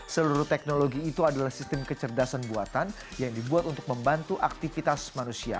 seluruh teknologi itu adalah sistem kecerdasan buatan yang dibuat untuk membantu aktivitas manusia